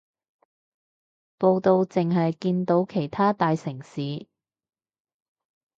報導淨係見到其他大城市